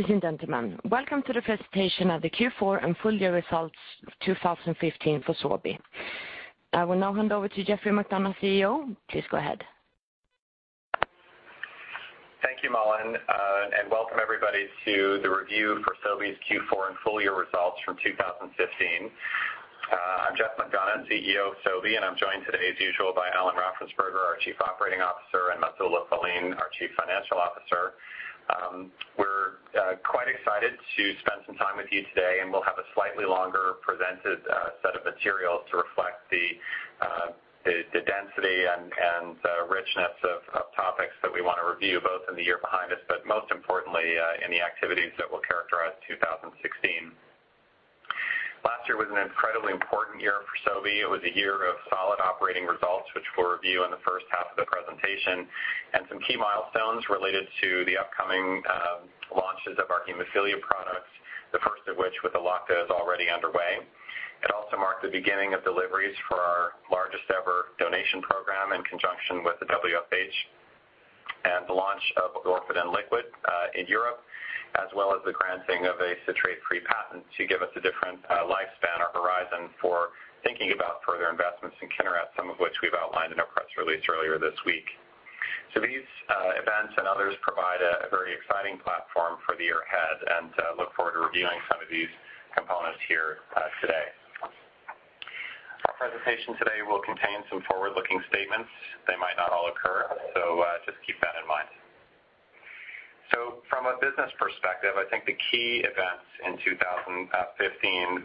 Ladies and gentlemen, welcome to the presentation of the Q4 and full year results of 2015 for SOBI. I will now hand over to Geoffrey McDonough, CEO. Please go ahead. Thank you, Malin, welcome everybody to the review for SOBI's Q4 and full year results from 2015. I'm Geoffrey McDonough, CEO of SOBI, I'm joined today, as usual, by Alan Raffensperger, our Chief Operating Officer, and Mats-Olof Wallin, our Chief Financial Officer. We're quite excited to spend some time with you today, we'll have a slightly longer presented set of materials to reflect the density and richness of topics that we want to review, both in the year behind us, most importantly, in the activities that will characterize 2016. Last year was an incredibly important year for SOBI. It was a year of solid operating results, which we'll review in the first half of the presentation, some key milestones related to the upcoming launches of our hemophilia products, the first of which, with Elocta, is already underway. It also marked the beginning of deliveries for our largest-ever donation program in conjunction with the WFH, and the launch of Orfadin Liquid in Europe, as well as the granting of a citrate-free patent to give us a different lifespan or horizon for thinking about further investments in Kineret, some of which we've outlined in our press release earlier this week. These events and others provide a very exciting platform for the year ahead and look forward to reviewing some of these components here today. Our presentation today will contain some forward-looking statements. They might not all occur, just keep that in mind. From a business perspective, I think the key events in 2015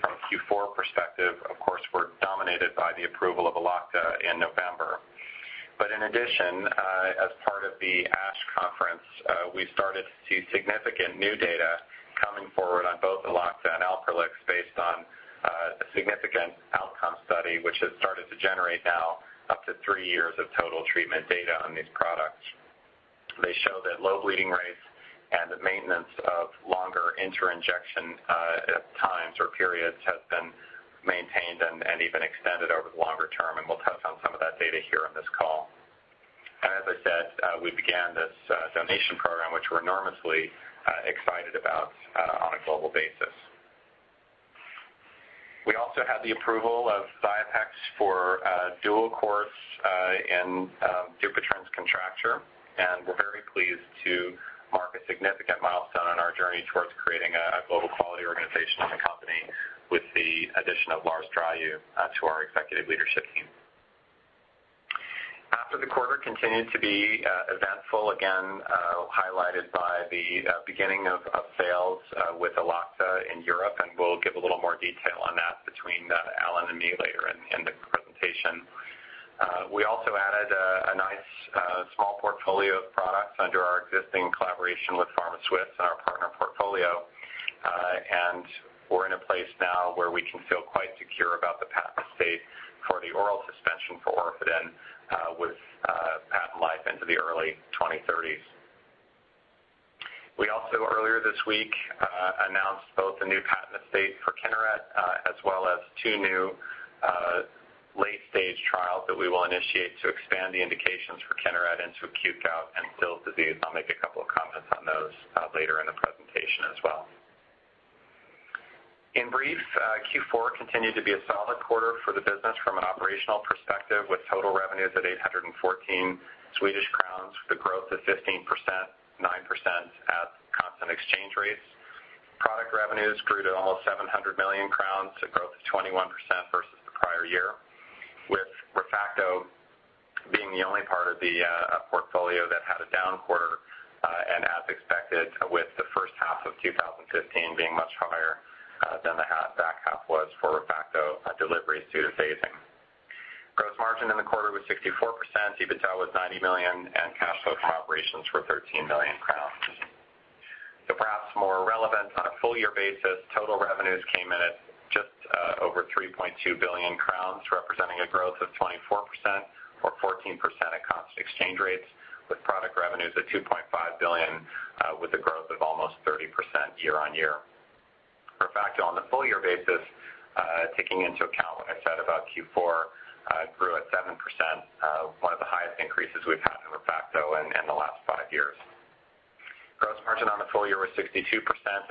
from a Q4 perspective, of course, were dominated by the approval of Elocta in November. In addition, as part of the ASH conference, we started to see significant new data coming forward on both Elocta and Alprolix based on a significant outcome study, which has started to generate now up to three years of total treatment data on these products. They show that low bleeding rates and the maintenance of longer interinjection times or periods has been maintained and even extended over the longer term, we'll touch on some of that data here on this call. As I said, we began this donation program, which we're enormously excited about on a global basis. We also had the approval of Xiapex for dual course in Dupuytren's contracture, we're very pleased to mark a significant milestone on our journey towards creating a global quality organization and company with the addition of Lars Trygg to our executive leadership team. After the quarter continued to be eventful, again, highlighted by the beginning of sales with Elocta in Europe. We'll give a little more detail on that between Alan and me later in the presentation. We also added a nice small portfolio of products under our existing collaboration with PharmaSwiss and our partner portfolio. We're in a place now where we can feel quite secure about the patent estate for the oral suspension for Orfadin with patent life into the early 2030s. We also earlier this week announced both a new patent estate for Kineret, as well as two new late-stage trials that we will initiate to expand the indications for Kineret into acute gout and Still's disease. I'll make a couple of comments on those later in the presentation as well. In brief, Q4 continued to be a solid quarter for the business from an operational perspective, with total revenues at 814 million Swedish crowns, with a growth of 15%, 9% at constant exchange rates. Product revenues grew to almost 700 million crowns, a growth of 21% versus the prior year, with ReFacto being the only part of the portfolio that had a down quarter, and as expected, with the first half of 2015 being much higher than the back half was for ReFacto deliveries due to phasing. Gross margin in the quarter was 64%, EBITDA was 90 million, and cash flow from operations were 13 million crowns. Perhaps more relevant on a full-year basis, total revenues came in at just over 3.2 billion crowns, representing a growth of 24% or 14% at constant exchange rates, with product revenues at 2.5 billion, with a growth of almost 30% year-on-year. ReFacto on the full-year basis, taking into account what I said about Q4, grew at 7%, one of the highest increases we've had in ReFacto in the last five years. Gross margin on the full year was 62%,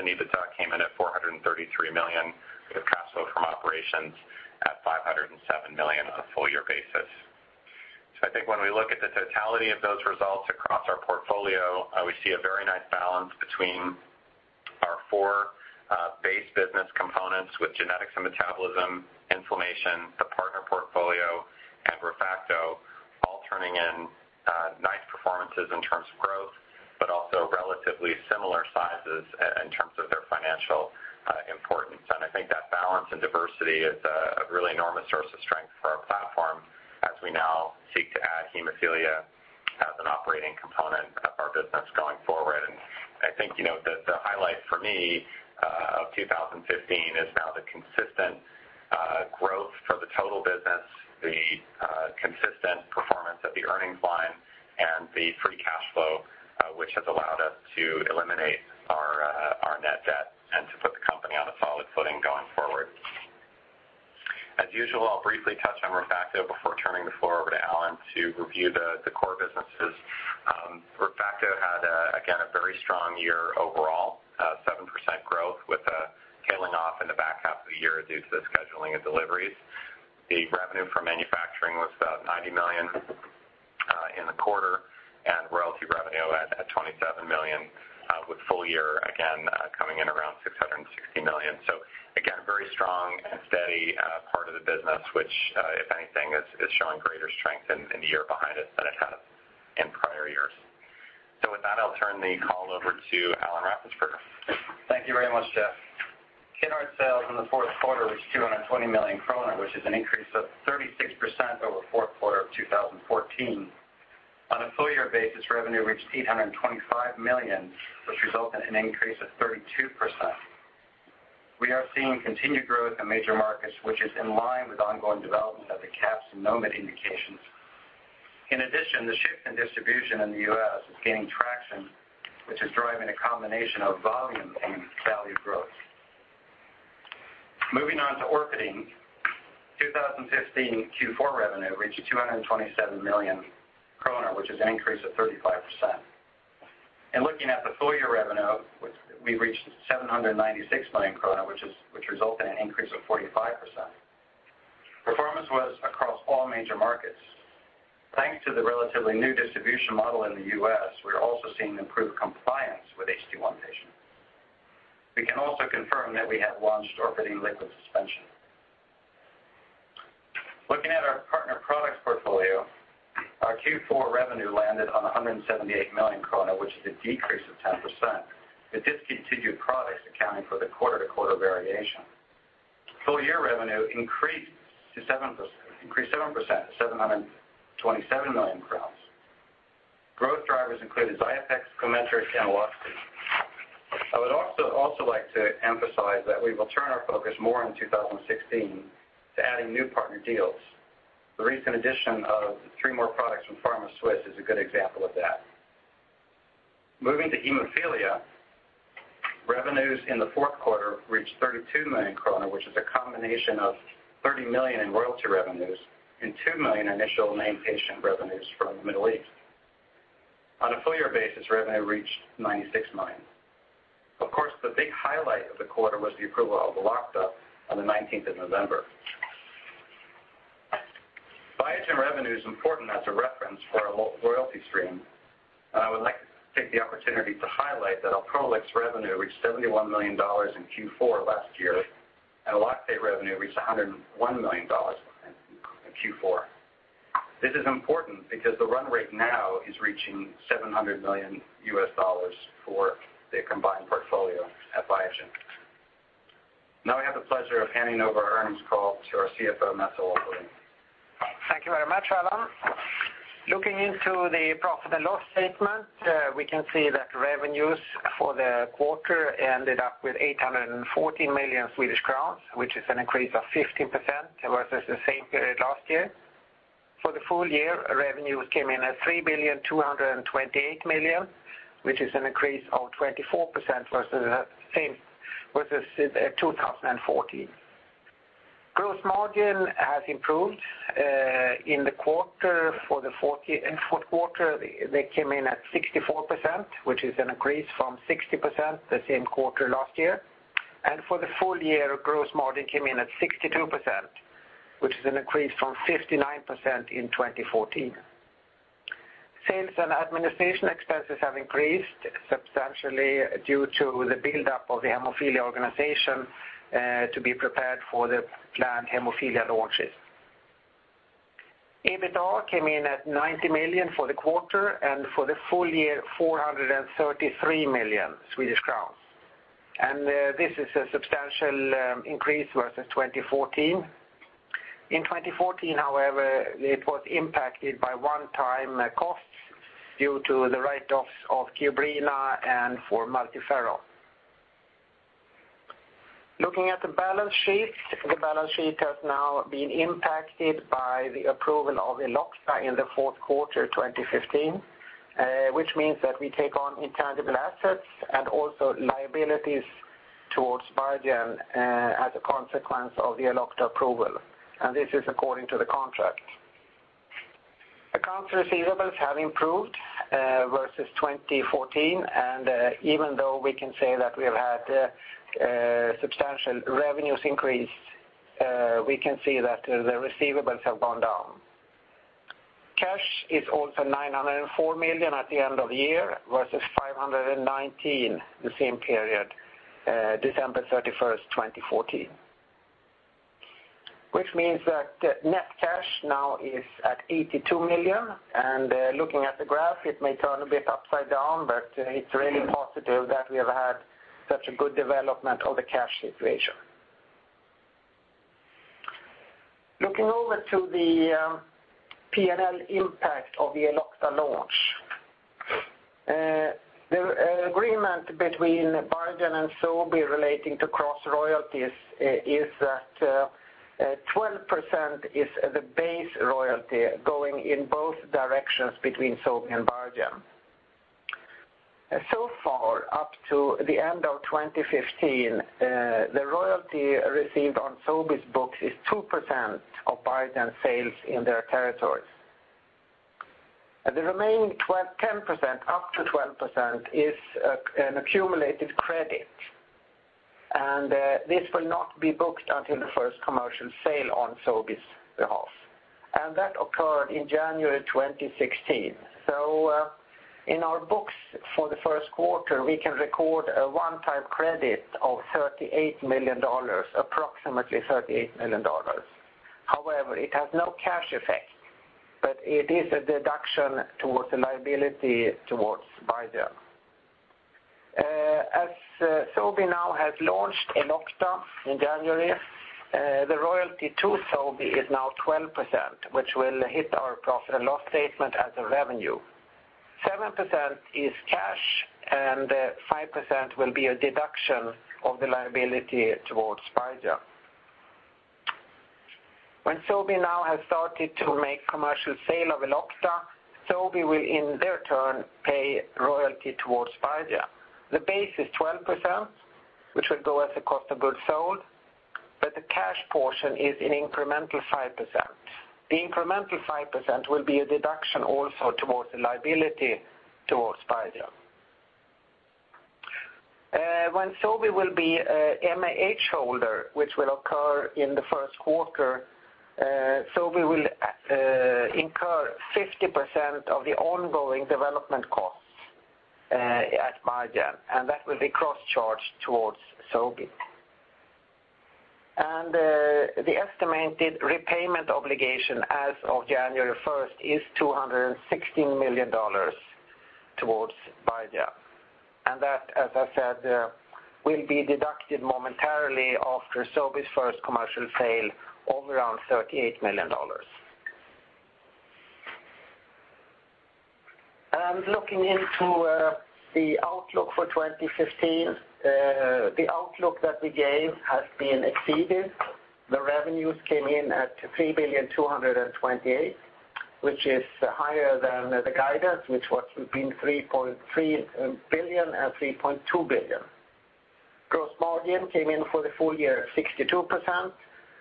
and EBITDA came in at 433 million, with cash flow from operations at 507 million on a full-year basis. I think when we look at the totality of those results across our portfolio, we see a very nice balance between our four base business components with genetics and metabolism, inflammation, the partner portfolio, and ReFacto all turning in nice performances in terms of growth, but also relatively similar sizes in terms of their financial importance. I think that balance and diversity is a really enormous source of strength for our platform as we now seek to add hemophilia as an operating component of our business going forward. I think the highlight for me of 2015 is now the consistent growth for the total business, the consistent performance of the earnings line, and the free cash flow, which has allowed us to eliminate our net debt and to put the company on a solid footing going forward. As usual, I'll briefly touch on ReFacto before turning the floor over to Alan to review the core businesses. ReFacto had, again, a very strong year overall, 7% growth with a tailing off in the back half of the year due to the scheduling of deliveries. The revenue for manufacturing was about 90 million in the quarter, and royalty revenue at 27 million with full year, again, coming in around 660 million. Again, very strong and steady part of the business, which, if anything, is showing greater strength in the year behind us than it had in prior years. With that, I'll turn the call over to Alan Raffensperger. Thank you very much, Jeff. Kineret sales in the fourth quarter was 220 million kronor, which is an increase of 36% over fourth quarter of 2014. On a full year basis, revenue reached 825 million, which resulted in an increase of 32%. We are seeing continued growth in major markets, which is in line with ongoing development of the CAPS and NOMID indications. In addition, the shift in distribution in the U.S. is gaining traction, which is driving a combination of volume and value growth. Moving on to Orfadin, 2015 Q4 revenue reached SEK 227 million, which is an increase of 35%. Looking at the full year revenue, we've reached 796 million krona, which result in an increase of 45%. Performance was across all major markets. Thanks to the relatively new distribution model in the U.S., we're also seeing improved compliance with HT-1 patients. We can also confirm that we have launched Orfadin liquid suspension. Looking at our partner products portfolio, our Q4 revenue landed on 178 million krona, which is a decrease of 10%, with discontinued products accounting for the quarter-to-quarter variation. Full year revenue increased 7%, 727 million crowns. Growth drivers included. I would also like to emphasize that we will turn our focus more on 2016 to adding new partner deals. The recent addition of three more products from PharmaSwiss is a good example of that. Moving to hemophilia, revenues in the fourth quarter reached 32 million kronor, which is a combination of 30 million in royalty revenues and 2 million initial name patient revenues from the Middle East. On a full year basis, revenue reached 96 million. Of course, the big highlight of the quarter was the approval of Elocta on the 19th of November. Biogen revenue is important as a reference for our royalty stream. I would like to take the opportunity to highlight that Alprolix revenue reached $71 million in Q4 last year, and Elocta revenue reached $101 million in Q4. This is important because the run rate now is reaching $700 million for the combined portfolio at Biogen. I have the pleasure of handing over the earnings call to our CFO, Mats-Olof Wallin. Thank you very much, Alan Raffensperger. Looking into the profit and loss statement, we can see that revenues for the quarter ended up with 814 million Swedish crowns, which is an increase of 15% versus the same period last year. For the full year, revenues came in at 3,228 million, which is an increase of 24% versus 2014. Gross margin has improved in the quarter. For the fourth quarter, they came in at 64%, which is an increase from 60% the same quarter last year. For the full year, gross margin came in at 62%, which is an increase from 59% in 2014. Sales and administration expenses have increased substantially due to the buildup of the hemophilia organization to be prepared for the planned hemophilia launches. EBITDA came in at 90 million for the quarter, and for the full year, 433 million Swedish crowns. This is a substantial increase versus 2014. In 2014, however, it was impacted by one-time costs due to the write-offs of Kiobrina and for Multifero. Looking at the balance sheet, the balance sheet has now been impacted by the approval of Elocta in the fourth quarter 2015, which means that we take on intangible assets and also liabilities towards Biogen as a consequence of the Elocta approval. This is according to the contract. Accounts receivables have improved versus 2014, and even though we can say that we have had substantial revenues increase, we can see that the receivables have gone down. Cash is also 904 million at the end of the year versus 519 million the same period, December 31st, 2014. Net cash now is at 82 million, and looking at the graph, it may turn a bit upside down, but it's really positive that we have had such a good development of the cash situation. Looking over to the P&L impact of the Elocta launch. The agreement between Biogen and Sobi relating to cross royalties is that 12% is the base royalty going in both directions between Sobi and Biogen. So far, up to the end of 2015, the royalty received on Sobi's books is 2% of Biogen sales in their territories. The remaining 10%, up to 12%, is an accumulated credit, and this will not be booked until the first commercial sale on Sobi's behalf. That occurred in January 2016. In our books for the first quarter, we can record a one-time credit of approximately $38 million. However, it has no cash effect, but it is a deduction towards the liability towards Biogen. As Sobi now has launched Elocta in January, the royalty to Sobi is now 12%, which will hit our profit and loss statement as a revenue. 7% is cash and 5% will be a deduction of the liability towards Biogen. When Sobi now has started to make commercial sale of Elocta, Sobi will, in their turn, pay royalty towards Biogen. The base is 12%, which will go as a cost of goods sold, but the cash portion is an incremental 5%. The incremental 5% will be a deduction also towards the liability towards Biogen. When Sobi will be a MAH holder, which will occur in the first quarter, Sobi will incur 50% of the ongoing development costs at Biogen, and that will be cross-charged towards Sobi. The estimated repayment obligation as of January 1st is $216 million towards Biogen. That, as I said, will be deducted momentarily after SOBI's first commercial sale of around $38 million. Looking into the outlook for 2015, the outlook that we gave has been exceeded. The revenues came in at 3.228 billion, which is higher than the guidance, which was between 3.3 billion and 3.2 billion. Gross margin came in for the full year, 62%,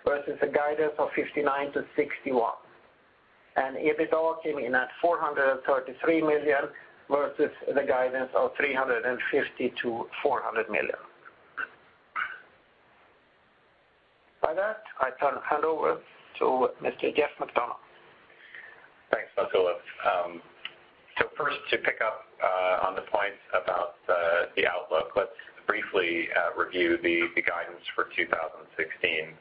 versus a guidance of 59%-61%. EBITA came in at 433 million, versus the guidance of 350 million-400 million. By that, I turn hand over to Mr. Geoffrey McDonough. Thanks, Mats-Olof. First, to pick up on the point about the outlook, let's briefly review the guidance for 2016.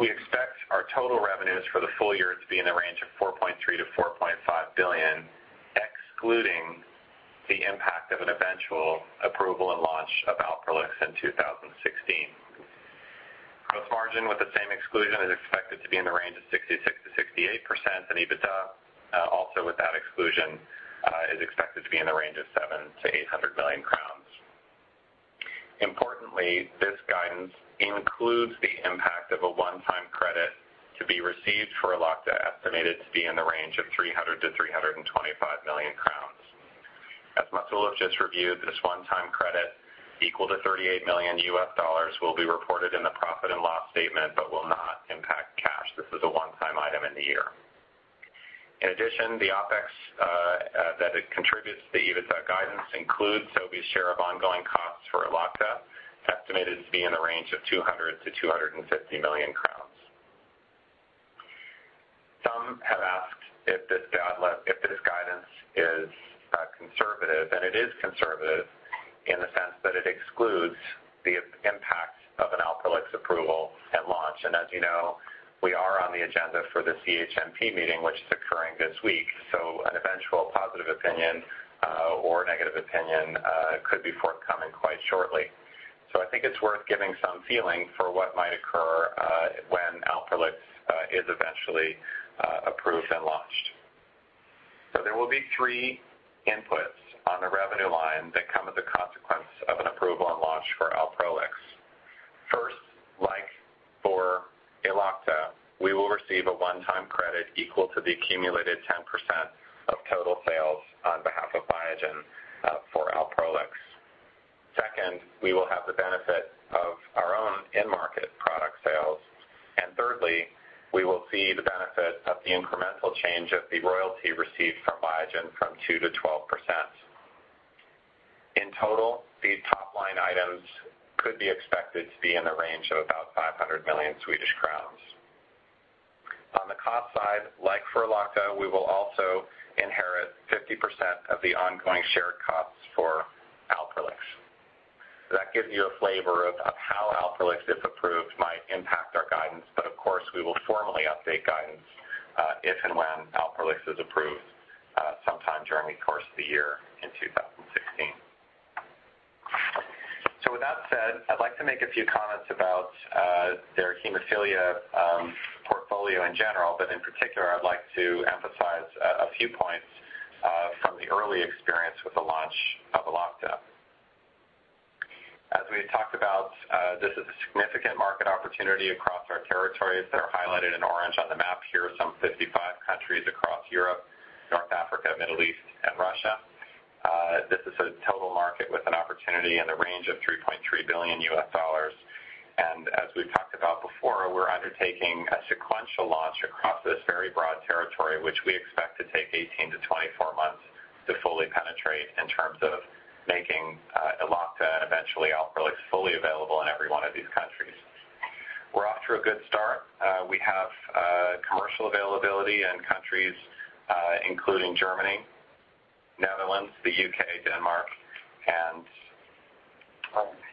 We expect our total revenues for the full year to be in the range of 4.3 billion-4.5 billion, excluding the impact of an eventual approval and launch of Alprolix in 2016. Gross margin with the same exclusion is expected to be in the range of 66%-68%, and EBITA, also with that exclusion, is expected to be in the range of 700 million-800 million crowns. Importantly, this guidance includes the impact of a one-time credit to be received for Elocta, estimated to be in the range of 300 million-325 million crowns. As Mats-Olof just reviewed, this one-time credit, equal to $38 million will be reported in the profit and loss statement but will not impact cash. This is a one-time item in the year. In addition, the OpEx that it contributes to the EBITA guidance includes SOBI's share of ongoing costs for Elocta, estimated to be in the range of 200 million-250 million crowns. Some have asked if this guidance is conservative. It is conservative in the sense that it excludes the impact of an Alprolix approval at launch. As you know, we are on the agenda for the CHMP meeting, which is occurring this week. An eventual positive opinion or negative opinion could be forthcoming quite shortly. I think it's worth giving some feeling for what might occur when Alprolix is eventually approved and launched. There will be three inputs on the revenue line that come as a consequence of an approval and launch for Alprolix. First, like for Elocta, we will receive a one-time credit equal to the accumulated 10% of total sales on behalf of Biogen for Alprolix. Second, we will have the benefit of our own in-market product sales. Thirdly, we will see the benefit of the incremental change of the royalty received from Biogen from 2%-12%. In total, these top-line items could be expected to be in the range of about 500 million Swedish crowns. On the cost side, like for Elocta, we will also inherit 50% of the ongoing shared costs for Alprolix. That gives you a flavor of how Alprolix, if approved, might impact our guidance. Of course, we will formally update guidance if and when Alprolix is approved sometime during the course of the year in 2016. With that said, I'd like to make a few comments about their hemophilia portfolio in general, but in particular, I'd like to emphasize a few points from the early experience with the launch of Elocta across our territories that are highlighted in orange on the map here, some 55 countries across Europe, North Africa, Middle East, and Russia. This is a total market with an opportunity in the range of $3.3 billion. As we've talked about before, we're undertaking a sequential launch across this very broad territory, which we expect to take 18 to 24 months to fully penetrate in terms of making Elocta and eventually Alprolix fully available in every one of these countries. We're off to a good start. We have commercial availability in countries including Germany, Netherlands, the U.K., Denmark, and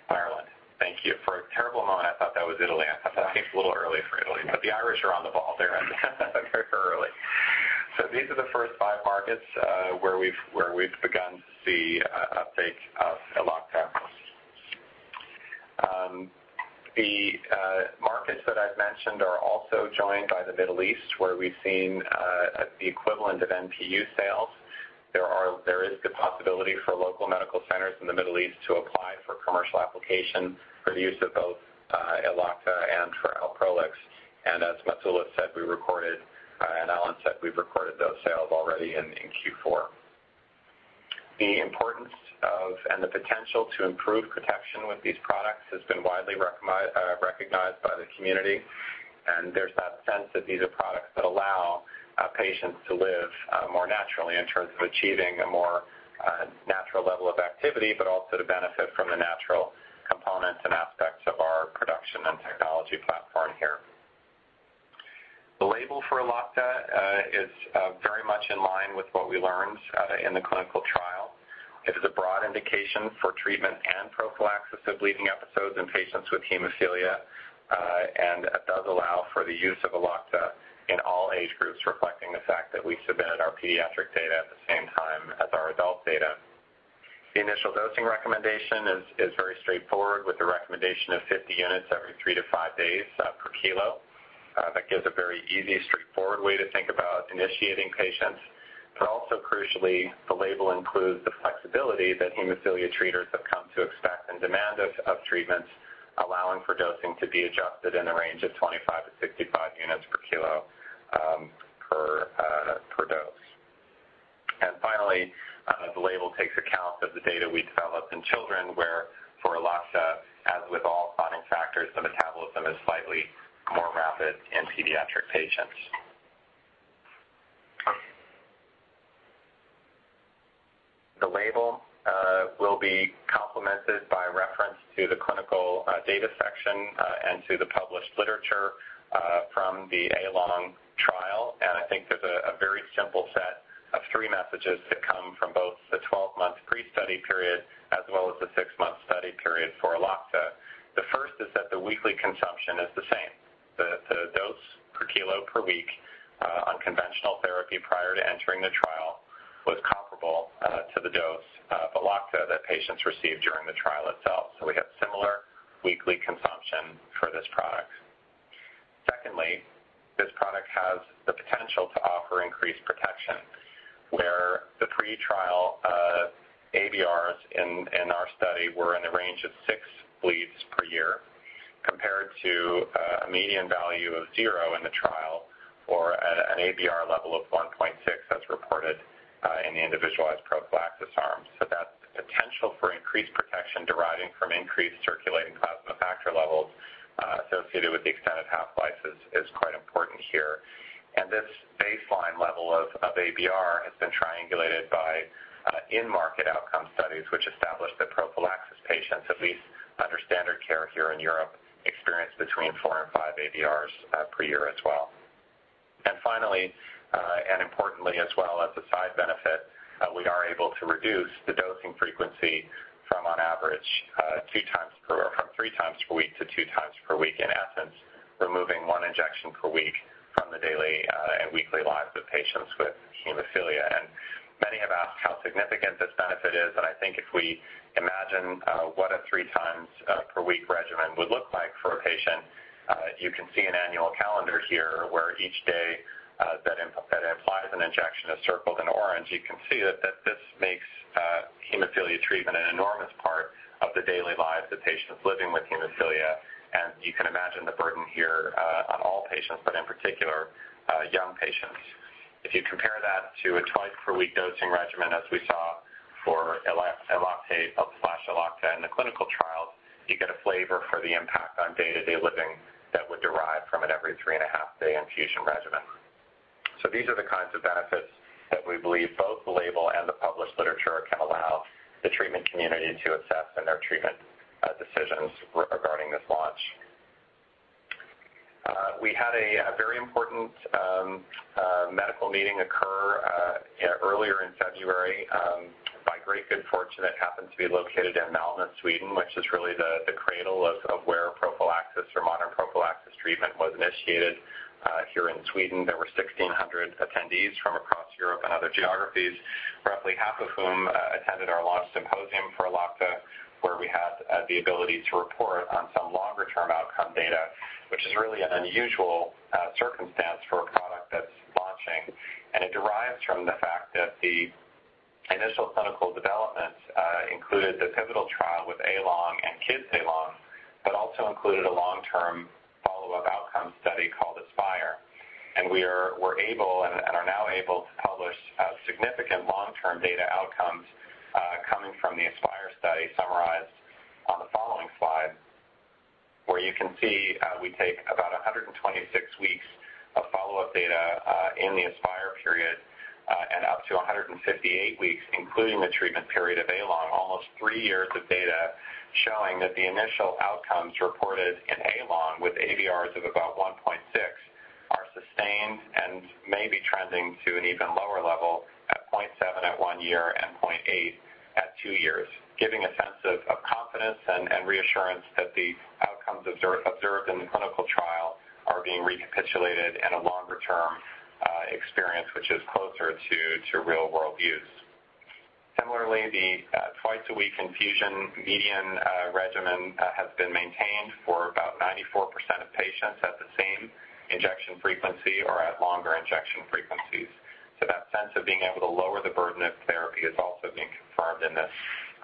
Ireland. Thank you. For a terrible moment, I thought that was Italy. I thought, "I think it's a little early for Italy," but the Irish are on the ball there very early. These are the first five markets where we've begun to see uptake of Elocta. The markets that I've mentioned are also joined by the Middle East, where we've seen the equivalent of NPU sales. There is the possibility for local medical centers in the Middle East to apply for commercial application for the use of both Elocta and for Alprolix. As Mats-Olof said, we recorded, and Alan said we've recorded those sales already in Q4. The importance of and the potential to improve protection with these products has been widely recognized by the community, and there's that sense that these are products that allow patients to live more naturally in terms of achieving a more natural level of activity, but also to benefit from the natural components and aspects of our production and technology platform here. The label for Elocta is very much in line with what we learned in the clinical trial. It is a broad indication for treatment and prophylaxis of bleeding episodes in patients with hemophilia. It does allow for the use of Elocta in all age groups, reflecting the fact that we submitted our pediatric data at the same time as our adult data. The initial dosing recommendation is very straightforward, with the recommendation of 50 units every three to five days per kilo. That gives a very easy, straightforward way to think about initiating patients. Also, crucially, the label includes the flexibility that hemophilia treaters have come to expect and demand of treatments, allowing for dosing to be adjusted in the range of 25 to 65 units per kilo per dose. Finally, the label takes account of the data we developed in children where, for Elocta, as with all clotting factors, the metabolism is slightly more rapid in pediatric patients. The label will be complemented by reference to the clinical data section and to the published literature from the A-LONG trial. I think there's a very simple set of three messages that come from both the 12-month pre-study period as well as the six-month study period for Elocta. The first is that the weekly consumption is the same. The dose per kilo per week on conventional therapy prior to entering the trial was comparable to the dose of Elocta that patients received during the trial itself. We have similar weekly consumption for this product. Secondly, this product has the potential to offer increased protection where the pre-trial ABRs in our study were in the range of six bleeds per year, compared to a median value of 0 in the trial, or an ABR level of 1.6 as reported in the individualized prophylaxis arm. That potential for increased protection deriving from increased circulating plasma factor levels associated with the extended half-life is quite important here. This baseline level of ABR has been triangulated by in-market outcome studies, which established that prophylaxis patients, at least under standard care here in Europe, experience between four and five ABRs per year as well. Finally, and importantly, as well as a side benefit, we are able to reduce the dosing frequency from three times per week to two times per week, in essence, removing one injection per week from the weekly lives of patients with hemophilia. Many have asked how significant this benefit is, and I think if we imagine what a three-times per week regimen would look like for a patient, you can see an annual calendar here where each day that implies an injection is circled in orange. You can see that this makes hemophilia treatment an enormous part of the daily lives of patients living with hemophilia. You can imagine the burden here on all patients, but in particular young patients. If you compare that to a twice per week dosing regimen, as we saw for Elocta in the clinical trials, you get a flavor for the impact on day-to-day living that would derive from an every three and a half day infusion regimen. These are the kinds of benefits that we believe both the label and the published literature can allow the treatment community to assess in their treatment decisions regarding this launch. We had a very important medical meeting occur earlier in February. By great good fortune, it happened to be located in Malmö, Sweden, which is really the cradle of where prophylaxis or modern prophylaxis treatment was initiated. Here in Sweden, there were 1,600 attendees from across Europe and other geographies, roughly half of whom attended our launch symposium for Elocta, where we had the ability to report on some longer-term outcome data, which is really an unusual circumstance for And it derives from the fact that the initial clinical developments included the pivotal trial with A-LONG and Kids A-LONG, but also included a long-term follow-up outcome study called ASPIRE. We are now able to publish significant long-term data outcomes coming from the ASPIRE study summarized on the following slide, where you can see we take about 126 weeks of follow-up data in the ASPIRE period and up to 158 weeks including the treatment period of A-LONG, almost three years of data showing that the initial outcomes reported in A-LONG with ABRs of about 1.6 are sustained and may be trending to an even lower level at 0.7 at one year and 0.8 at two years, giving a sense of confidence and reassurance that the outcomes observed in the clinical trial are being recapitulated in a longer-term experience, which is closer to real-world use. Similarly, the twice-a-week infusion median regimen has been maintained for about 94% of patients at the same injection frequency or at longer injection frequencies. That sense of being able to lower the burden of therapy is also being confirmed in this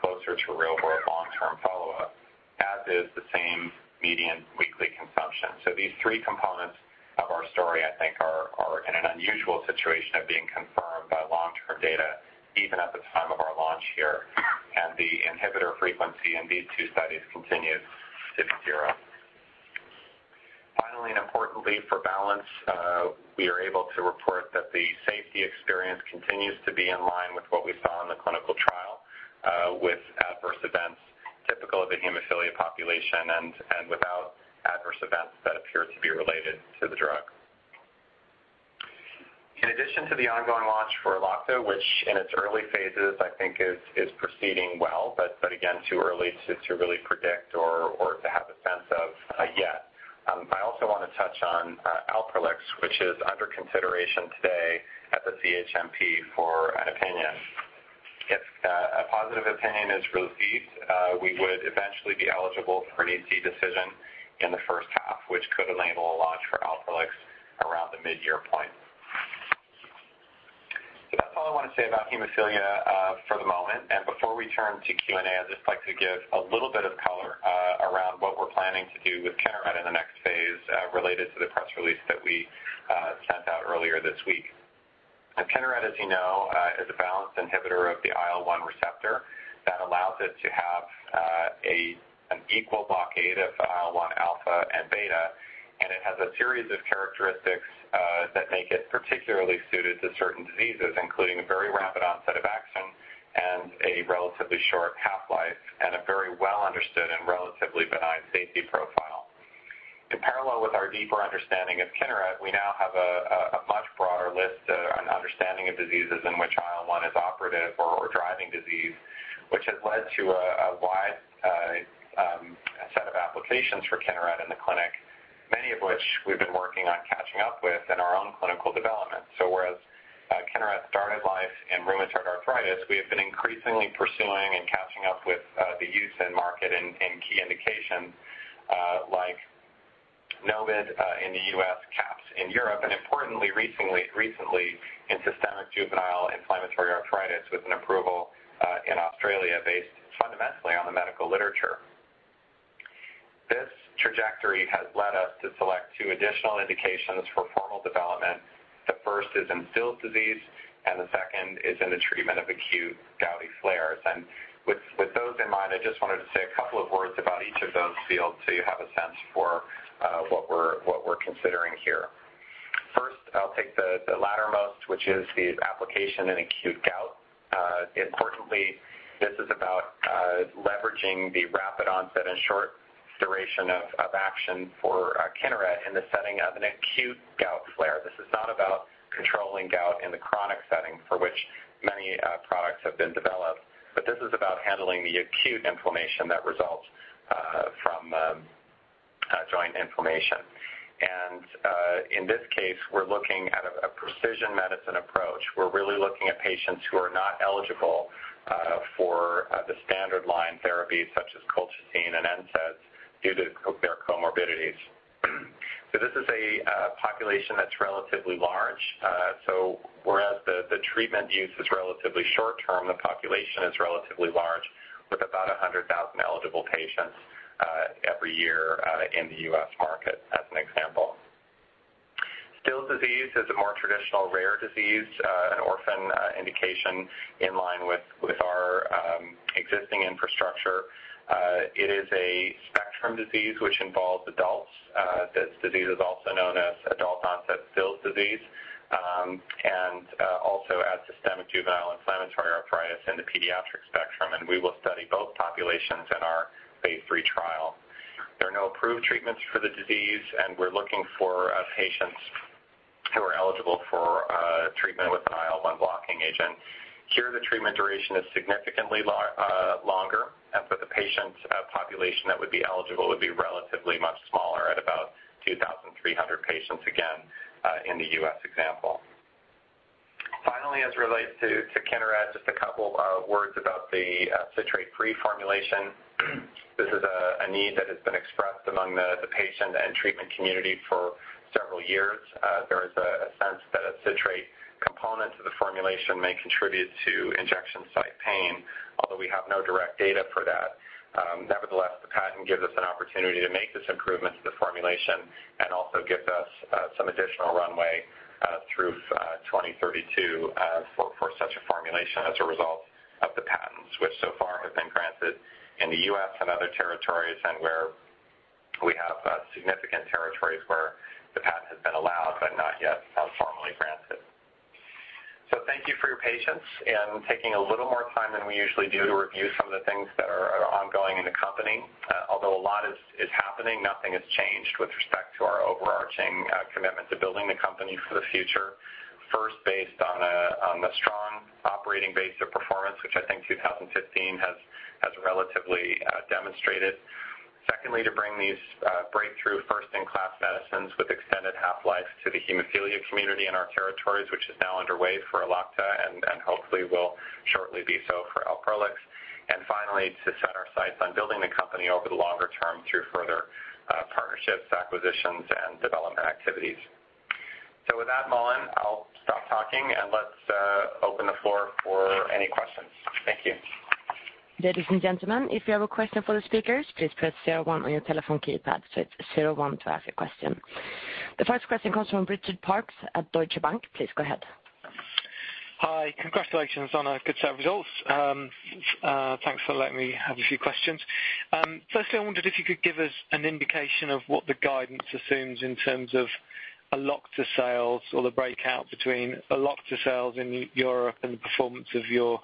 closer-to-real-world long-term follow-up, as is the same median weekly consumption. These three components of our story, I think, are in an unusual situation of being confirmed by long-term data even at the time of our launch here. The inhibitor frequency in these two studies continues to zero. Finally, and importantly for balance, we are able to report that the safety experience continues to be in line with what we saw in the clinical trial with adverse events typical of the hemophilia population and without adverse events that appear to be related to the drug. In addition to the ongoing launch for Elocta, which in its early phases I think is proceeding well, but again, too early to really predict or to have a sense of yet. I also want to touch on Alprolix, which is under consideration today at the CHMP for an opinion. If a positive opinion is received, we would eventually be eligible for an EC decision in the first half, which could enable a launch for Alprolix around the mid-year point. That's all I want to say about hemophilia for the moment. Before we turn to Q&A, I'd just like to give a little bit of color around what we're planning to do with Kineret in the next phase related to the press release that we sent out earlier this week. Kineret, as you know, is a balanced inhibitor of the IL-1 receptor that allows it to have an equal blockade of IL-1 alpha and beta, and it has a series of characteristics that make it particularly suited to certain diseases, including a very rapid onset of action and a relatively short half-life, and a very well-understood and relatively benign safety profile. In parallel with our deeper understanding of Kineret, we now have a much broader list and understanding of diseases in which IL-1 is operative or driving disease, which has led to a wide set of applications for Kineret in the clinic, many of which we've been working on catching up with in our own clinical development. Whereas Kineret started life in rheumatoid arthritis, we have been increasingly pursuing and catching up with the use in market and key indications like NOMID in the U.S., CAPS in Europe, and importantly recently in systemic juvenile idiopathic arthritis with an approval in Australia based fundamentally on the medical literature. This trajectory has led us to select two additional indications for formal development. The first is in Still's disease, and the second is in the treatment of acute gout flares. With those in mind, I just wanted to say a couple of words about each of those fields so you have a sense for what we're considering here. First, I'll take the lattermost, which is the application in acute gout. Importantly, this is about leveraging the rapid onset and short duration of action for Kineret in the setting of an acute gout flare. This is not about controlling gout in the chronic setting for which many products have been developed, this is about handling the acute inflammation that results from joint inflammation. In this case, we're looking at a precision medicine approach. We're really looking at patients who are not eligible for the standard line therapies such as colchicine and NSAIDs due to their comorbidities. This is a population that's relatively large. Whereas the treatment use is relatively short-term, the population is relatively large with about 100,000 eligible patients every year in the U.S. market, as an example. Still's disease is a more traditional rare disease, an orphan indication in line with our existing infrastructure. It is a spectrum disease which involves adults. This disease is also known as adult-onset Still's disease and also as systemic juvenile idiopathic arthritis in the pediatric spectrum, we will study both populations in our phase III trial. There are no approved treatments for the disease, we're looking for patients who are eligible for treatment with an IL-1 blocking agent. Here, the treatment duration is significantly longer, for the patient population that would be eligible would be relatively much smaller at about 2,300 patients, again, in the U.S. example. Finally, as it relates to Kineret, just a couple of words about the citrate-free formulation. This is a need that has been expressed among the patient and treatment community for several years. There is a sense that a citrate component to the formulation may contribute to injection site pain, although we have no direct data for that. Nevertheless, the patent gives us an opportunity to make this improvement to the formulation and also gives us some additional runway through 2032 for such a formulation as a result of the patents, which so far have been granted in the U.S. and other territories and where we have significant territories where the patent has been allowed but not yet formally granted. Thank you for your patience in taking a little more time than we usually do to review some of the things that are ongoing in the company. Although a lot is happening, nothing has changed with respect to our overarching commitment to building the company for the future. First, based on the strong operating base of performance, which I think 2015 has relatively demonstrated. Secondly, to bring these breakthrough first-in-class medicines with extended half-life to the hemophilia community in our territories, which is now underway for Elocta and hopefully will shortly be so for Alprolix. Finally, to set our sights on building the company over the longer term through further partnerships, acquisitions, and development activities. With that, Malin, I'll stop talking and let's open the floor for any questions. Thank you. Ladies and gentlemen, if you have a question for the speakers, please press 01 on your telephone keypad. It's 01 to ask a question. The first question comes from Richard Parkes at Deutsche Bank. Please go ahead. Hi. Congratulations on a good set of results. Thanks for letting me have a few questions. Firstly, I wondered if you could give us an indication of what the guidance assumes in terms of Elocta sales or the breakout between Elocta sales in Europe and the performance of your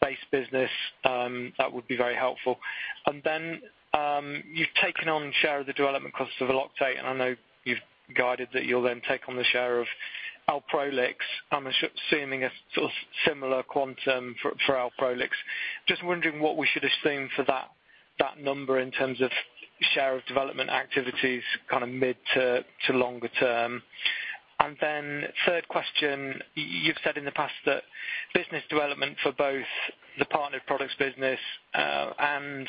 base business. That would be very helpful. Then, you've taken on share of the development cost of Elocta, and I know you've guided that you'll then take on the share of Alprolix. I'm assuming a sort of similar quantum for Alprolix. Just wondering what we should assume for that number in terms of share of development activities, mid to longer term. Then third question, you've said in the past that business development for both the partnered products business and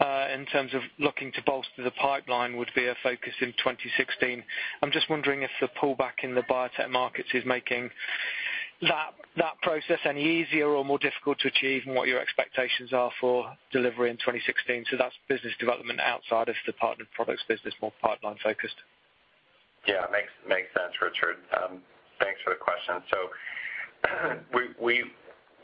in terms of looking to bolster the pipeline would be a focus in 2016. I'm just wondering if the pullback in the biotech markets is making that process any easier or more difficult to achieve and what your expectations are for delivery in 2016. That's business development outside of the partnered products business, more pipeline focused. Makes sense, Richard. Thanks for the question.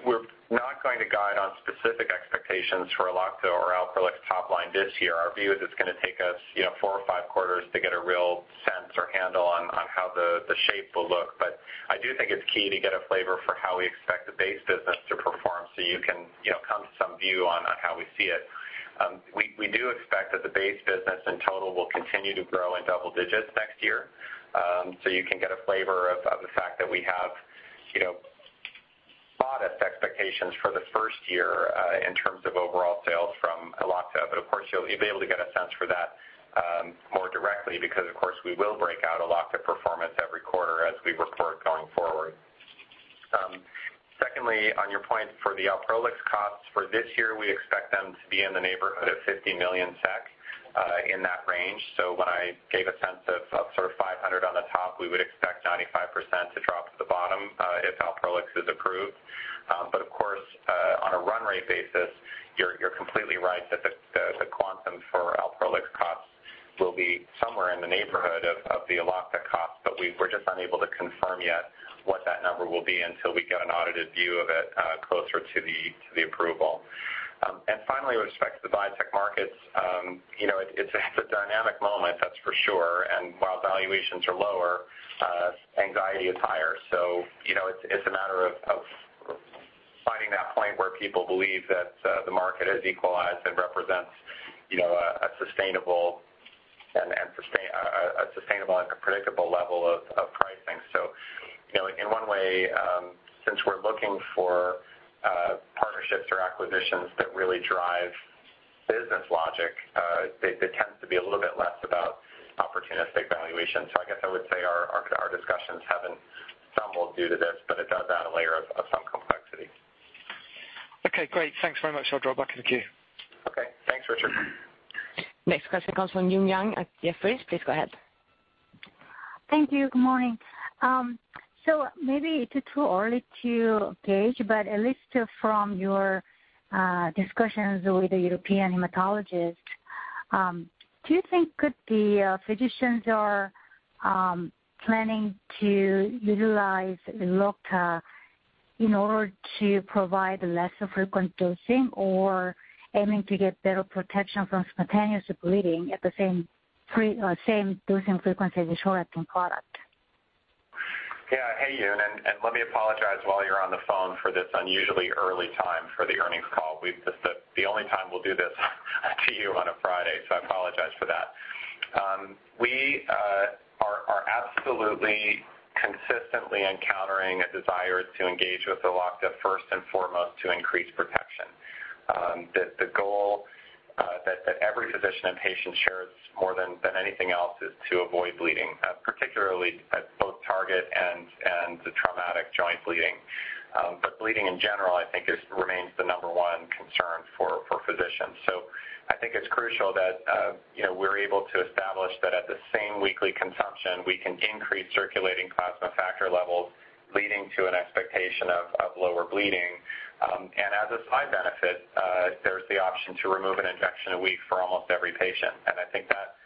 We're not going to guide on specific expectations for Elocta or Alprolix top line this year. Our view is it's going to take us four or five quarters to get a real sense or handle on how the shape will look. I do think it's key to get a flavor for how we expect the base business to perform so you can come to some view on how we see it. We do expect that the base business in total will continue to grow in double digits next year. You can get a flavor of the fact that we have modest expectations for the first year in terms of overall sales from Elocta. Of course, you'll be able to get a sense for that more directly because, of course, we will break out Elocta performance every quarter as we report going forward. Secondly, on your point for the Alprolix costs for this year, we expect them to be in the neighborhood of 50 million SEK in that range. When I gave a sense of sort of 500 on the top, we would expect 95% to drop to the bottom if Alprolix is approved. Of course, on a run rate basis, you're completely right that the quantum for Alprolix costs will be somewhere in the neighborhood of the Elocta cost. We're just unable to confirm yet what that number will be until we get an audited view of it closer to the approval. Finally, with respect to the biotech markets, it's a dynamic moment that's for sure. While valuations are lower, anxiety is higher. It's a matter of finding that point where people believe that the market has equalized and represents a sustainable and a predictable level of pricing. In one way, since we're looking for partnerships or acquisitions that really drive business logic, they tend to be a little bit less about opportunistic valuation. I guess I would say our discussions haven't stumbled due to this, it does add a layer of some complexity. Okay, great. Thanks very much. I'll drop back in the queue. Okay. Thanks, Richard. Next question comes from Eun Yang at Jefferies. Please go ahead. Thank you. Good morning. Maybe it is too early to gauge, but at least from your discussions with the European hematologist, do you think the physicians are planning to utilize Elocta in order to provide lesser frequent dosing or aiming to get better protection from spontaneous bleeding at the same dosing frequency as the short-acting product? Hey, Eun, let me apologize while you're on the phone for this unusually early time for the earnings call. The only time we'll do this to you on a Friday, I apologize for that. We are absolutely consistently encountering a desire to engage with Elocta first and foremost to increase protection. Every physician and patient shares more than anything else is to avoid bleeding, particularly at both target and the traumatic joint bleeding. Bleeding in general, I think, remains the number one concern for physicians. I think it's crucial that we're able to establish that at the same weekly consumption, we can increase circulating plasma factor levels, leading to an expectation of lower bleeding. As a side benefit, there's the option to remove an injection a week for almost every patient. I think that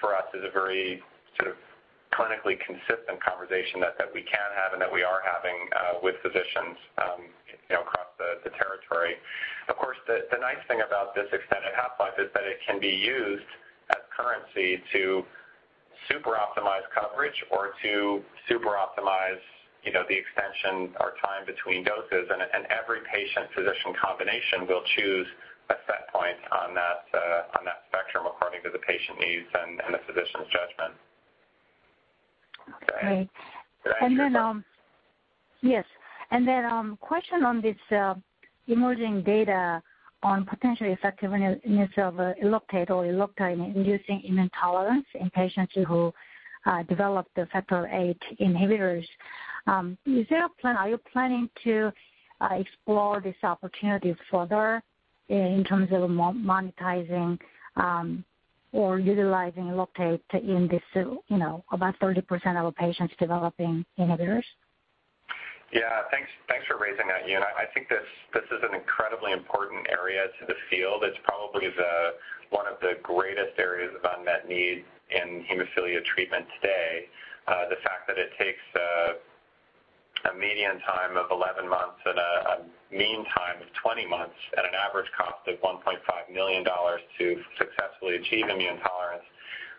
for us is a very clinically consistent conversation that we can have and that we are having with physicians across the territory. Of course, the nice thing about this extended half-life is that it can be used as currency to super optimize coverage or to super optimize the extension or time between doses. Every patient-physician combination will choose a set point on that spectrum according to the patient needs and the physician's judgment. Okay. Did I answer your- Yes. Question on this emerging data on potential effectiveness of Eloctate or Eloctate inducing immune tolerance in patients who develop the factor VIII inhibitors. Are you planning to explore this opportunity further in terms of monetizing or utilizing Eloctate in this about 30% of patients developing inhibitors? Yeah, thanks for raising that, Eun. I think this is an incredibly important area to the field. It's probably one of the greatest areas of unmet need in hemophilia treatment today. The fact that it takes a median time of 11 months and a mean time of 20 months at an average cost of SEK 1.5 million to successfully achieve immune tolerance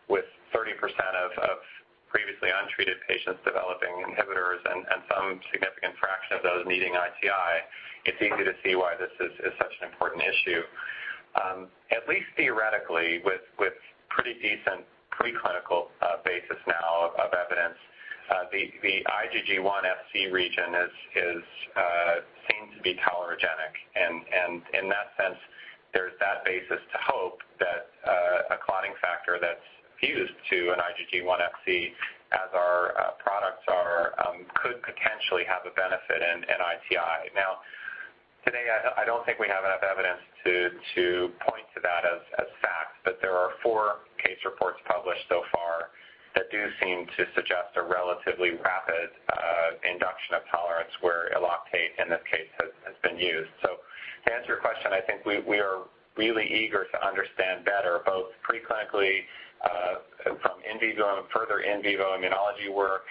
with 30% of previously untreated patients developing inhibitors and some significant fraction of those needing ITI, it's easy to see why this is such an important issue. At least theoretically, with pretty decent preclinical basis now of evidence, the IgG1 Fc region seems to be tolerogenic, and in that sense, there's that basis to hope that a clotting factor that's fused to an IgG1 Fc as our products are, could potentially have a benefit in ITI. Today, I don't think we have enough evidence to point to that as fact, but there are four case reports published so far that do seem to suggest a relatively rapid induction of tolerance where Eloctate, in this case, has been used. To answer your question, I think we are really eager to understand better, both pre-clinically from further in vivo immunology work,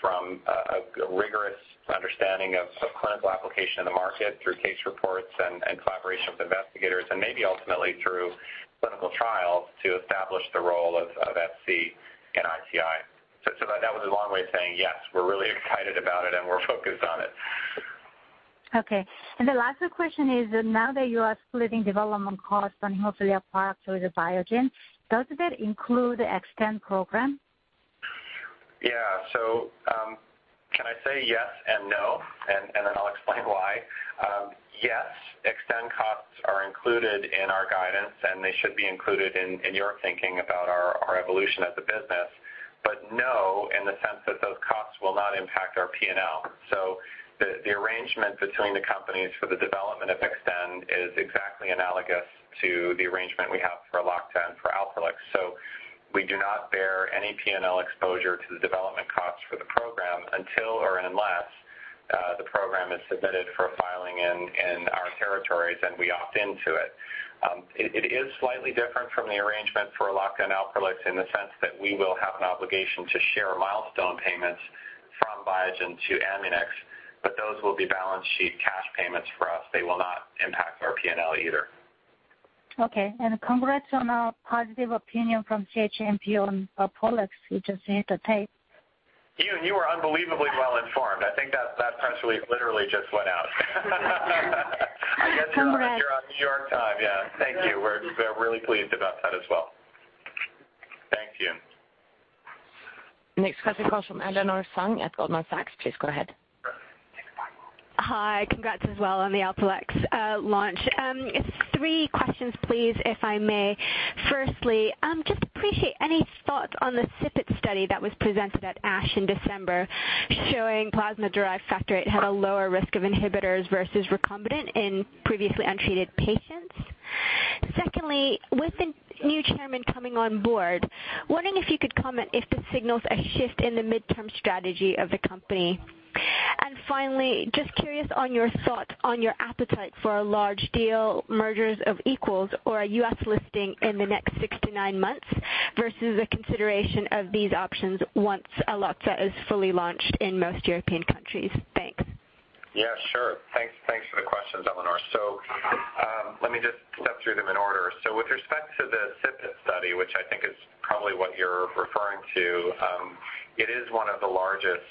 from a rigorous understanding of clinical application in the market through case reports and collaboration with investigators, and maybe ultimately through clinical trials to establish the role of Fc in ITI. That was a long way of saying, yes, we're really excited about it and we're focused on it. Okay. The last question is, now that you are splitting development costs on hemophilia products with Biogen, does that include EXTEND program? Yeah. Can I say yes and no, and then I'll explain why? Yes, EXTEND costs are included in our guidance, and they should be included in your thinking about our evolution as a business. No, in the sense that those costs will not impact our P&L. The arrangement between the companies for the development of EXTEND is exactly analogous to the arrangement we have for Elocta and for Alprolix. We do not bear any P&L exposure to the development costs for the program until or unless the program is submitted for filing in our territories and we opt into it. It is slightly different from the arrangement for Elocta and Alprolix in the sense that we will have an obligation to share milestone payments from Biogen to Alnylam, but those will be balance sheet cash payments for us. They will not impact our P&L either. Okay, congrats on a positive opinion from CHMP on Alprolix, we just heard the tape. Eun, you are unbelievably well-informed. I think that press release literally just went out. Congrats. I guess you're on New York time. Yeah. Thank you. We're really pleased about that as well. Thanks, Eun. Next question comes from Eleanor Sung at Goldman Sachs. Please go ahead. Hi. Congrats as well on the Alprolix launch. Three questions, please, if I may. Firstly, just appreciate any thoughts on the SIPPET study that was presented at ASH in December showing plasma-derived factor VIII had a lower risk of inhibitors versus recombinant in previously untreated patients. Secondly, with the new chairman coming on board, wondering if you could comment if this signals a shift in the midterm strategy of the company. Finally, just curious on your thoughts on your appetite for a large deal, mergers of equals or a U.S. listing in the next six to nine months versus a consideration of these options once Elocta is fully launched in most European countries. Thanks. Thanks for the questions, Eleanor. Let me just step through them in order. With respect to the SIPPET study, which I think is probably what you're referring to, it is one of the largest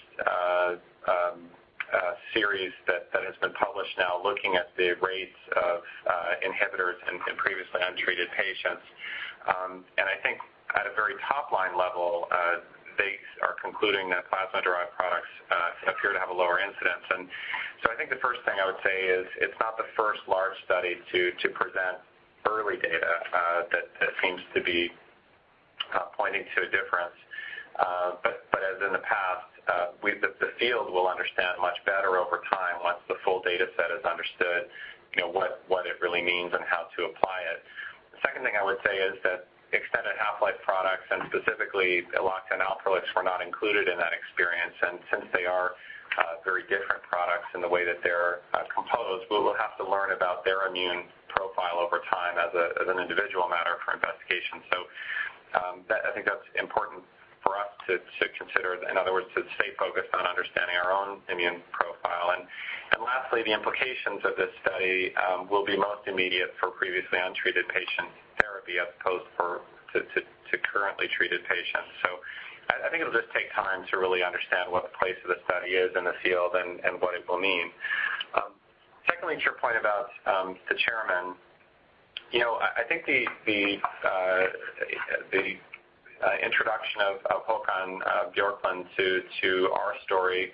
series that has been published now looking at the rates of inhibitors in previously untreated patients. I think line level, they are concluding that plasma-derived products appear to have a lower incidence. I think the first thing I would say is it's not the first large study to present early data that seems to be pointing to a difference. As in the past, the field will understand much better over time, once the full data set is understood, what it really means and how to apply it. The second thing I would say is that extended half-life products and specifically Elocta and Alprolix were not included in that experience. Since they are very different products in the way that they're composed, we will have to learn about their immune profile over time as an individual matter for investigation. I think that's important for us to consider. In other words, to stay focused on understanding our own immune profile. Lastly, the implications of this study will be most immediate for previously untreated patient therapy as opposed to currently treated patients. I think it'll just take time to really understand what the place of the study is in the field and what it will mean. Secondly, to your point about the chairman, I think the introduction of Håkan Björklund to our story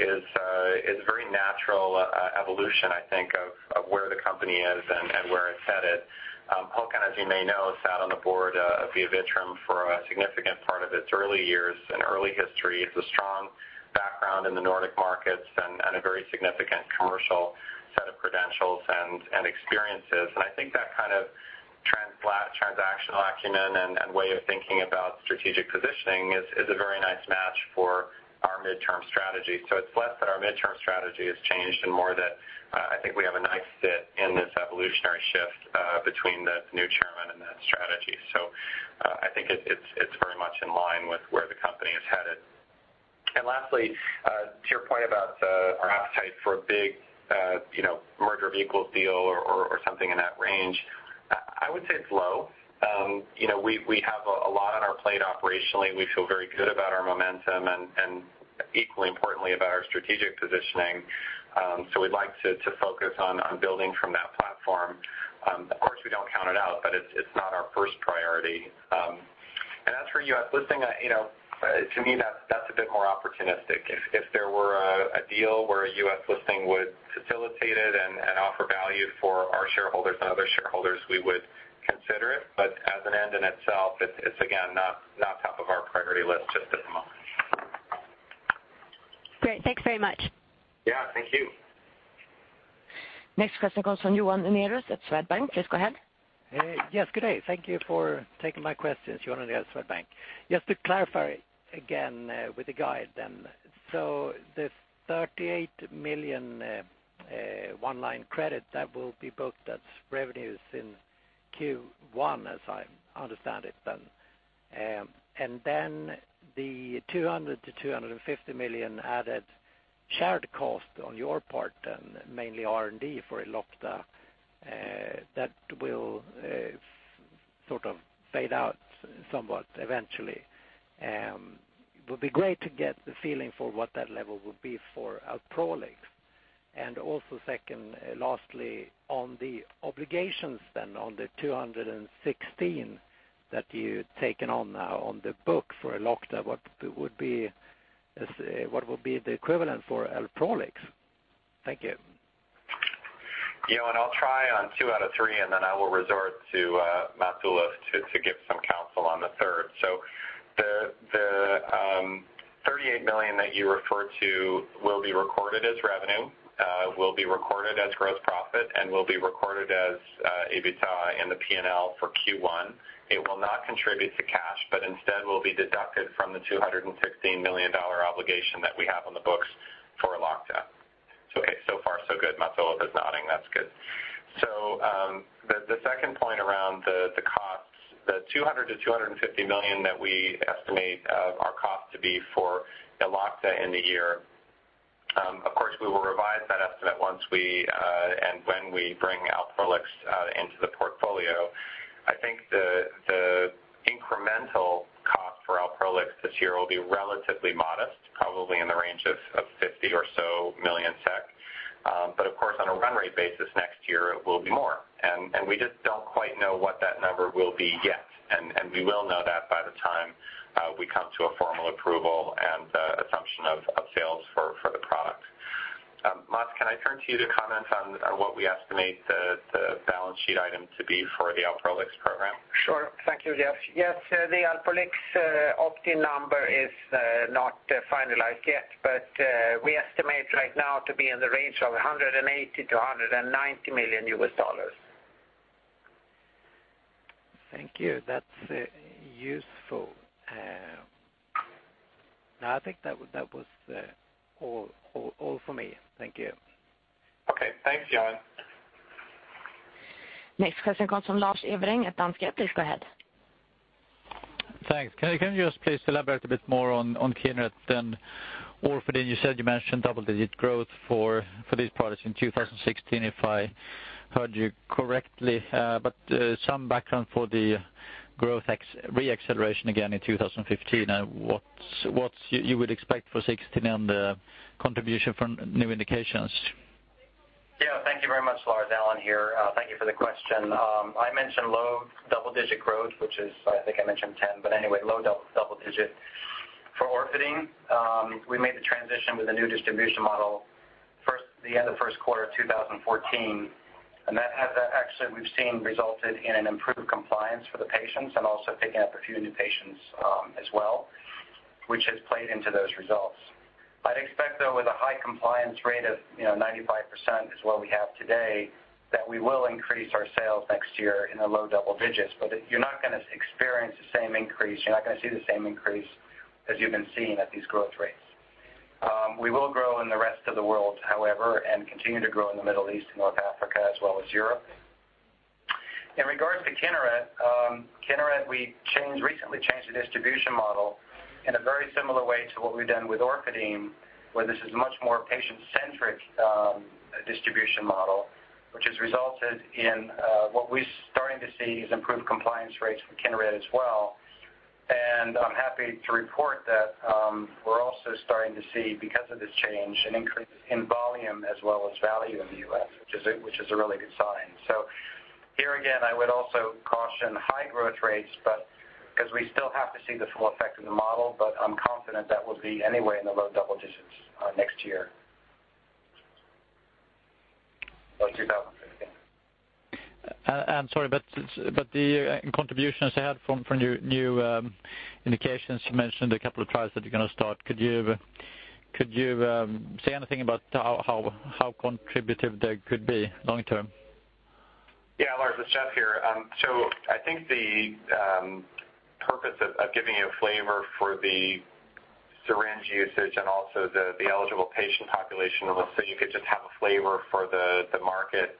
is a very natural evolution, I think, of where the company is and where it's headed. Håkan, as you may know, sat on the board of Biovitrum for a significant part of its early years and early history. He has a strong background in the Nordic markets and a very significant commercial set of credentials and experiences. I think that kind of transactional acumen and way of thinking about strategic positioning is a very nice match for our midterm strategy. It's less that our midterm strategy has changed, and more that I think we have a nice fit in this evolutionary shift between the new chairman and that strategy. I think it's very much in line with where the company is headed. Lastly, to your point about our appetite for a big merger of equals deal or something in that range, I would say it's low. We have a lot on our plate operationally. We feel very good about our momentum and equally importantly about our strategic positioning. We'd like to focus on building from that platform. Of course, we don't count it out, but it's not our first priority. As for U.S. listing, to me, that's a bit more opportunistic. If there were a deal where a U.S. listing would facilitate it and offer value for our shareholders and other shareholders, we would consider it. As an end in itself, it's again, not top of our priority list just at the moment. Great. Thanks very much. Yeah. Thank you. Next question comes from Johan Unnerus at Swedbank. Please go ahead. Hey. Yes, good day. Thank you for taking my questions. Johan Unnerus, Swedbank. Just to clarify again with the guide then. The 38 million one-line credit, that will be booked as revenues in Q1, as I understand it then. Then the 200 million-250 million added shared cost on your part then mainly R&D for Elocta, that will sort of fade out somewhat eventually. It would be great to get the feeling for what that level would be for Alprolix. Also second, lastly on the obligations then on the $216 million that you've taken on now on the book for Elocta, what would be the equivalent for Alprolix? Thank you. Johan, I'll try on two out of three, then I will resort to Mats-Olof Wallin to give some counsel on the third. The 38 million that you referred to will be recorded as revenue, will be recorded as gross profit, and will be recorded as EBITDA in the P&L for Q1. It will not contribute to cash, but instead will be deducted from the $216 million obligation that we have on the books for Elocta. Far so good. Mats-Olof Wallin is nodding. That's good. The second point around the costs, the 200 million-250 million that we estimate our cost to be for Elocta in the year. Of course, we will revise that estimate once and when we bring Alprolix into the portfolio. I think the incremental cost for Alprolix this year will be relatively modest, probably in the range of 50 million SEK. Of course, on a run rate basis next year, it will be more. We just don't quite know what that number will be yet. We will know that by the time we come to a formal approval and assumption of sales for the product. Mats, can I turn to you to comment on what we estimate the balance sheet item to be for the Alprolix program? Sure. Thank you, Jeff. Yes, the Alprolix opt-in number is not finalized yet, but we estimate right now to be in the range of $180 million-$190 million. Thank you. That's useful. I think that was all for me. Thank you. Okay. Thanks, Johan. Next question comes from Lars Hevreng at Danske Bank. Please go ahead. Thanks. Can you just please elaborate a bit more on Kineret then Orfadin? You said you mentioned double-digit growth for these products in 2016, if I heard you correctly. Some background for the growth re-acceleration again in 2015, and what you would expect for 2016 on the contribution from new indications? Thank you very much, Lars. Alan here. Thank you for the question. I mentioned low double-digit growth, which is, I think I mentioned 10. Anyway, low double digits. For Orfadin, we made the transition with a new distribution model the end of the first quarter of 2014, and that has actually, we've seen, resulted in an improved compliance for the patients and also picking up a few new patients as well, which has played into those results. I'd expect, though, with a high compliance rate of 95%, is what we have today, that we will increase our sales next year in the low double digits, but you're not going to experience the same increase, you're not going to see the same increase as you've been seeing at these growth rates. We will grow in the rest of the world, however, and continue to grow in the Middle East and North Africa, as well as Europe. In regards to Kineret, we recently changed the distribution model in a very similar way to what we've done with Orfadin, where this is much more patient-centric distribution model, which has resulted in what we're starting to see is improved compliance rates for Kineret as well. I'm happy to report that we're also starting to see, because of this change, an increase in volume as well as value in the U.S., which is a really good sign. Here again, I would also caution high growth rates, because we still have to see the full effect of the model, but I'm confident that will be anywhere in the low double digits next year. For 2015. Sorry, the contributions they had from your new indications, you mentioned a couple of trials that you're going to start. Could you say anything about how contributive they could be long term? Yeah, Lars, it's Jeff here. I think the purpose of giving you a flavor for the syringe usage and also the eligible patient population was so you could just have a flavor for the market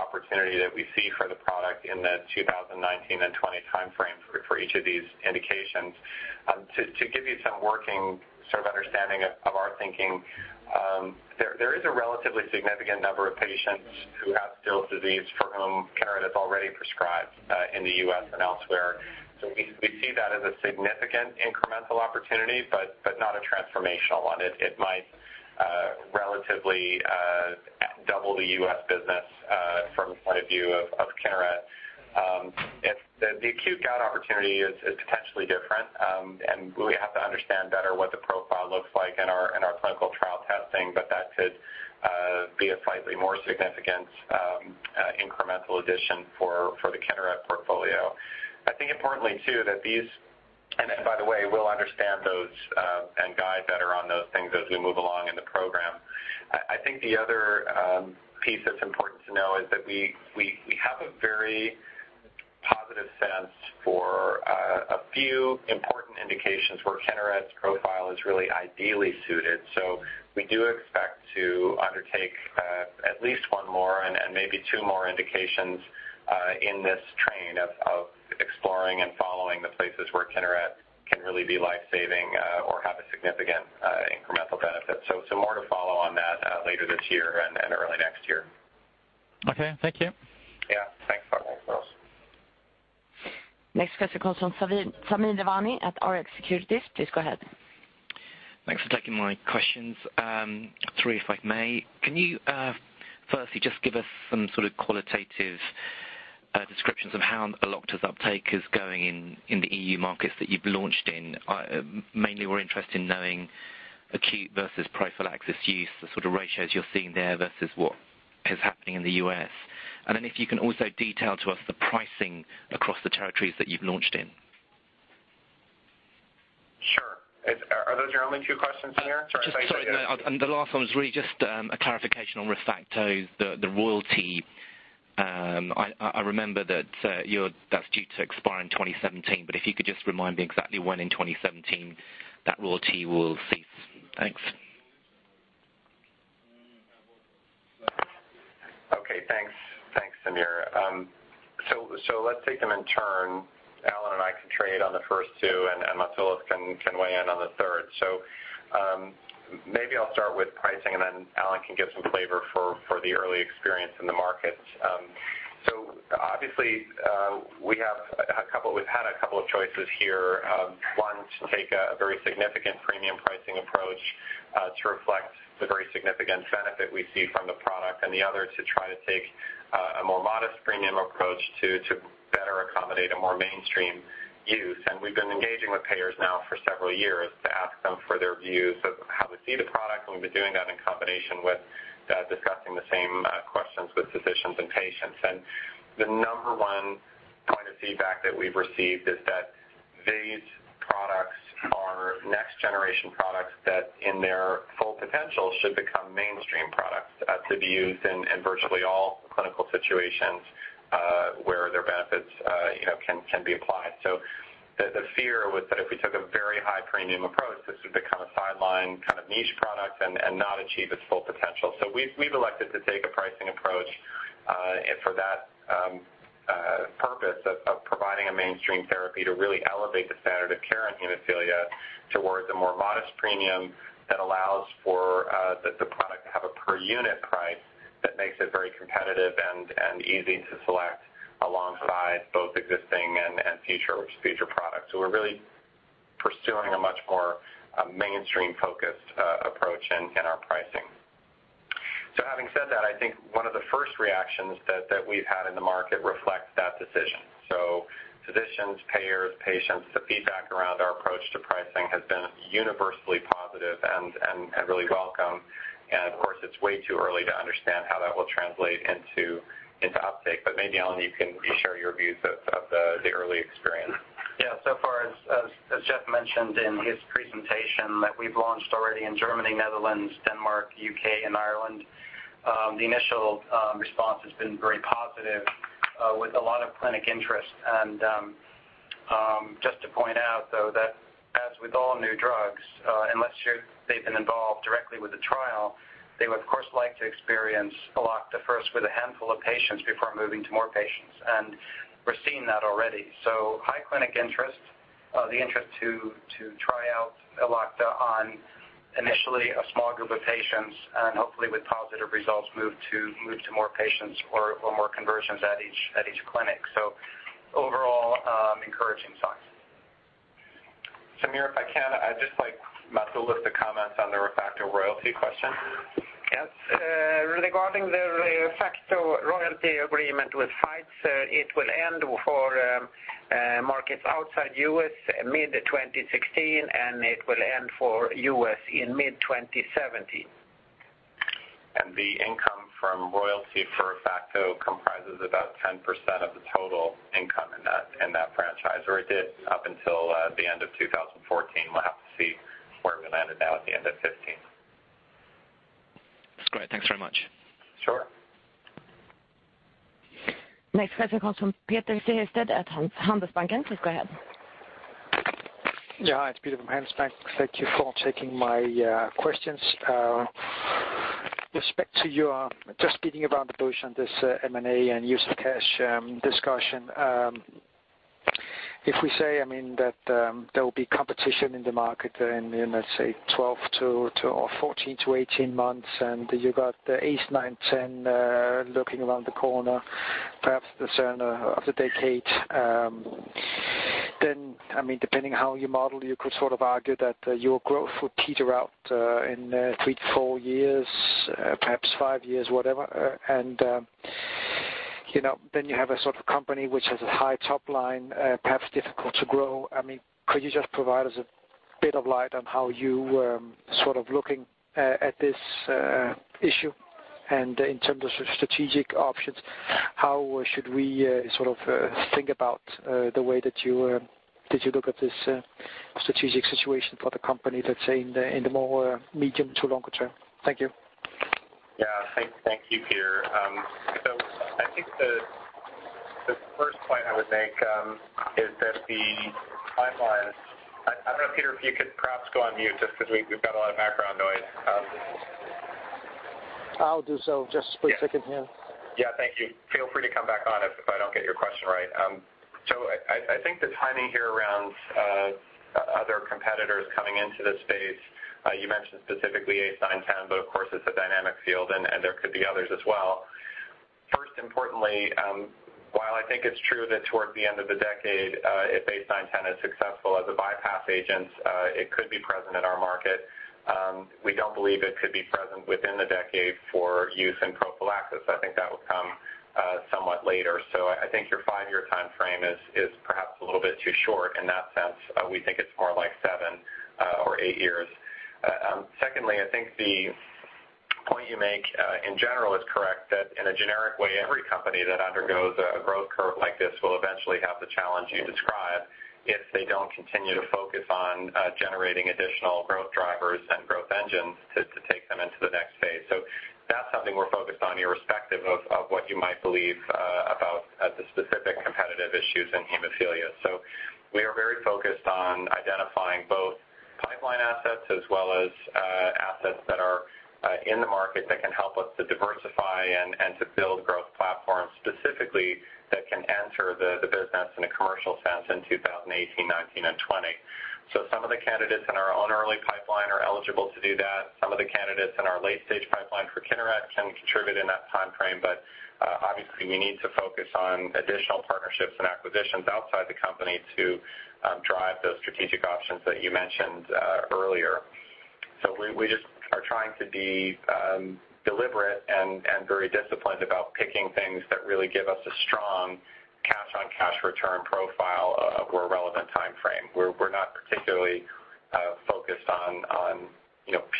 opportunity that we see for the product in the 2019 and 2020 timeframe for each of these indications. To give you some working sort of understanding of our thinking, there is a relatively significant number of patients who have Still's disease for whom Kineret is already prescribed in the U.S. and elsewhere. We see that as a significant incremental opportunity, but not a transformational one. It might relatively double the U.S. business from the point of view of Kineret. The acute gout opportunity is potentially different, we have to understand better what the profile looks like in our clinical trial testing, that could be a slightly more significant incremental addition for the Kineret portfolio. I think importantly, too, we'll understand those and guide better on those things as we move along in the program. I think the other piece that's important to know is that we have a very positive sense for a few important indications where Kineret's profile is really ideally suited. We do expect to undertake at least one more and maybe two more indications in this train of exploring and following the places where Kineret can really be life-saving or have a significant incremental benefit. More to follow on that later this year and early next year. Okay. Thank you. Yeah. Thanks, Lars. Next question comes from Sameer Devaney at RX Securities. Please go ahead. Thanks for taking my questions. Three, if I may. Can you firstly just give us some sort of qualitative descriptions of how Elocta uptake is going in the EU markets that you've launched in? Mainly, we're interested in knowing acute versus prophylaxis use, the sort of ratios you're seeing there versus what is happening in the U.S. If you can also detail to us the pricing across the territories that you've launched in. Sure. Are those your only two questions in there? Sorry- Just, sorry. No, the last one was really just a clarification on ReFacto, the royalty. I remember that that's due to expire in 2017, but if you could just remind me exactly when in 2017 that royalty will cease. Thanks. Okay. Thanks, Sameer. Let's take them in turn. Alan and I can trade on the first two, Mats can weigh in on the third. Maybe I'll start with pricing, then Alan can give some flavor for the early experience in the markets. Obviously, we've had a couple of choices here. One, to take a very significant premium pricing approach to reflect the very significant benefit we see from the product, the other, to try to take a more modest premium approach to better accommodate a more mainstream use. We've been engaging with payers now for several years to ask them for their views of how they see the product, we've been doing that in combination with discussing the same questions with physicians and patients. The number 1 point of feedback that we've received is that these products are next generation products that, in their full potential, should become mainstream products to be used in virtually all clinical situations where their benefits can be applied. The fear was that if we took a very high premium approach, this would become a sideline kind of niche product and not achieve its full potential. We've elected to take a pricing approach for that purpose of providing a mainstream therapy to really elevate the standard of care in hemophilia towards a more modest premium that allows for the product to have a per unit price that makes it very competitive and easy to select alongside both existing and future products. We're really a mainstream focused approach in our pricing. Having said that, I think one of the first reactions that we've had in the market reflects that decision. Physicians, payers, patients, the feedback around our approach to pricing has been universally positive and really welcome. Of course, it's way too early to understand how that will translate into uptake. Maybe, Alan, you can share your views of the early experience. Far as Jeff mentioned in his presentation, that we've launched already in Germany, Netherlands, Denmark, U.K., and Ireland. The initial response has been very positive, with a lot of clinic interest. Just to point out, though, that as with all new drugs, unless they've been involved directly with the trial, they would, of course, like to experience Elocta first with a handful of patients before moving to more patients. We're seeing that already. High clinic interest, the interest to try out Elocta on initially a small group of patients and hopefully with positive results, move to more patients or more conversions at each clinic. Overall, encouraging signs. Sameer, if I can, I'd just like Mattias to comment on the ReFacto royalty question. Regarding the ReFacto royalty agreement with Pfizer, it will end for markets outside U.S. mid-2016, it will end for U.S. in mid-2017. The income from royalty for ReFacto comprises about 10% of the total income in that franchise, or it did up until the end of 2014. We'll have to see where we land it now at the end of 2015. That's great. Thanks very much. Sure. Next question comes from Peter Sehested at Handelsbanken. Please go ahead. Yeah. Hi, it's Peter from Handelsbanken. Thank you for taking my questions. With respect to your just beating around the bush on this M&A and use of cash discussion. If we say, that there'll be competition in the market in, let's say, 14 to 18 months, and you've got the ACE910 lurking around the corner, perhaps the turn of the decade. I mean, depending how you model, you could sort of argue that your growth would peter out in three to four years, perhaps five years, whatever. You have a sort of company which has a high top line, perhaps difficult to grow. Could you just provide us a bit of light on how you are sort of looking at this issue? In terms of strategic options, how should we think about the way that you look at this strategic situation for the company, let's say, in the more medium to longer term? Thank you. Yeah. Thank you, Peter. I think the first point I would make is that the timeline. I don't know, Peter, if you could perhaps go on mute, just because we've got a lot of background noise. I'll do so. Just a split second here. Yeah. Thank you. Feel free to come back on if I don't get your question right. I think the timing here around other competitors coming into this space, you mentioned specifically ACE910, but of course, it's a dynamic field and there could be others as well. First, importantly, while I think it's true that toward the end of the decade, if ACE910 is successful as a bypass agent, it could be present in our market. We don't believe it could be present within the decade for use in prophylaxis. I think that will come somewhat later. I think your five-year timeframe is perhaps a little bit too short in that sense. We think it's more like seven or eight years. Secondly, I think the point you make in general is correct, that in a generic way, every company that undergoes a growth curve like this will eventually have the challenge you describe if they don't continue to focus on generating additional growth drivers and growth engines to take them into the next phase. That's something we're focused on, irrespective of what you might believe about the specific competitive issues in hemophilia. We are very focused on identifying both pipeline assets as well as assets that are in the market that can help us to diversify and to build growth platforms specifically that can enter the business in a commercial sense in 2018, 2019, and 2020. Some of the candidates in our own early pipeline are eligible to do that. Some of the candidates in our late-stage pipeline for Kineret can contribute in that timeframe. Obviously we need to focus on additional partnerships and acquisitions outside the company to drive those strategic options that you mentioned earlier. We just are trying to be deliberate and very disciplined about picking things that really give us a strong cash-on-cash return profile over a relevant timeframe. We're not particularly focused on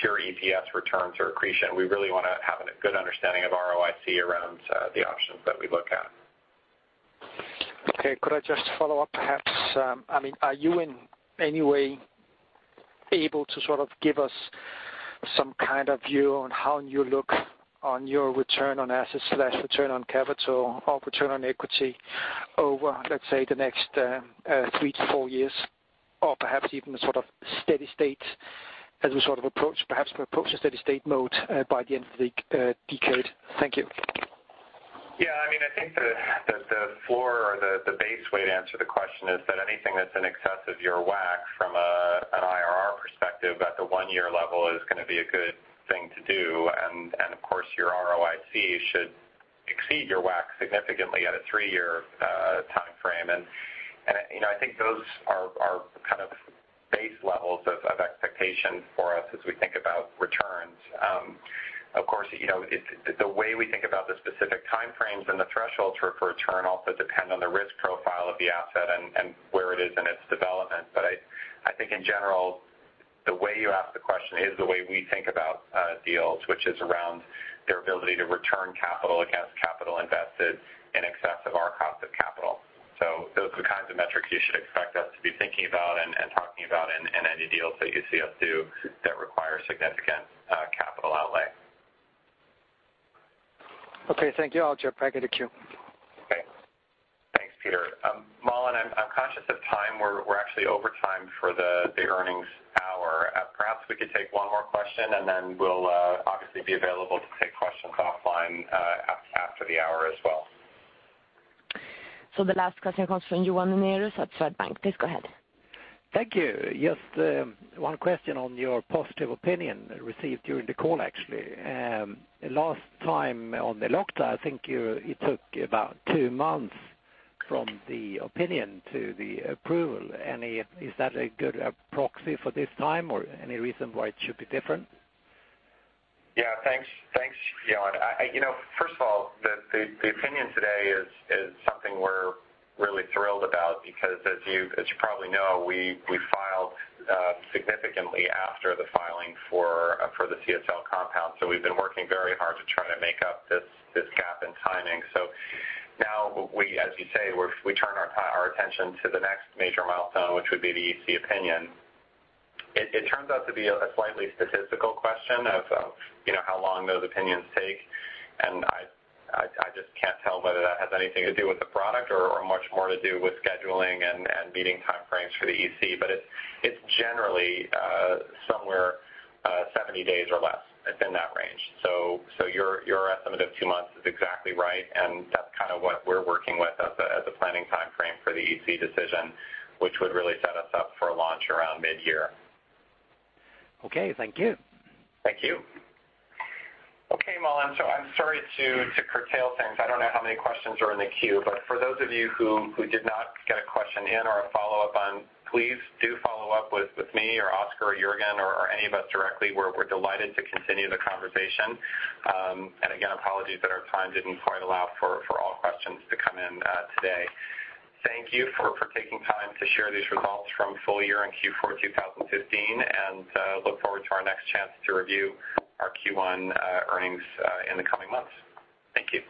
pure EPS returns or accretion. We really want to have a good understanding of ROIC around the options that we look at. Okay. Could I just follow up, perhaps? Are you in any way able to sort of give us some kind of view on how you look on your return on assets/return on capital or return on equity over, let's say, the next three to four years? Perhaps even a sort of steady state as we sort of approach perhaps a steady state mode by the end of the decade. Thank you. I think the floor or the base way to answer the question is that anything that's in excess of your WACC from an IRR perspective at the one-year level is going to be a good thing to do and Your ROIC should exceed your WACC significantly at a three-year timeframe. I think those are base levels of expectation for us as we think about returns. Of course, the way we think about the specific timeframes and the thresholds for return also depend on the risk profile of the asset and where it is in its development. I think in general, the way you ask the question is the way we think about deals, which is around their ability to return capital against capital invested in excess of our cost of capital. Those are the kinds of metrics you should expect us to be thinking about and talking about in any deals that you see us do that require significant capital outlay. Okay, thank you. I'll jump back in the queue. Okay. Thanks, Peter. Malin, I'm conscious of time. We're actually over time for the earnings hour. Perhaps we could take one more question, and then we'll obviously be available to take questions offline after the hour as well. The last question comes from Johan Unnerus at Swedbank. Please go ahead. Thank you. Just one question on your positive opinion received during the call, actually. Last time on the Elocta, I think it took about 2 months from the opinion to the approval. Is that a good proxy for this time, or any reason why it should be different? Yeah. Thanks, Johan. First of all, the opinion today is something we're really thrilled about because, as you probably know, we filed significantly after the filing for the CSL compound. We've been working very hard to try to make up this gap in timing. Now, as you say, we turn our attention to the next major milestone, which would be the EC opinion. It turns out to be a slightly statistical question of how long those opinions take, and I just can't tell whether that has anything to do with the product or much more to do with scheduling and meeting timeframes for the EC. But it's generally somewhere 70 days or less. It's in that range. Your estimate of 2 months is exactly right, and that's kind of what we're working with as a planning timeframe for the EC decision, which would really set us up for a launch around mid-year. Okay. Thank you. Thank you. Okay, Malin, I'm sorry to curtail things. I don't know how many questions are in the queue, but for those of you who did not get a question in or a follow-up on, please do follow up with me or Oskar or Juergen or any of us directly. We're delighted to continue the conversation. Again, apologies that our time didn't quite allow for all questions to come in today. Thank you for taking time to share these results from full year and Q4 2015, and look forward to our next chance to review our Q1 earnings in the coming months. Thank you.